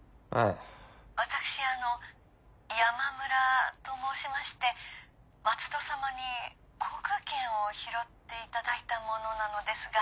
私あの山村と申しまして松戸様に航空券を拾っていただいた者なのですが。